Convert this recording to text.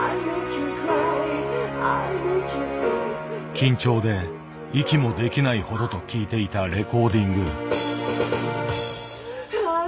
緊張で息もできないほどと聞いていたレコーディング。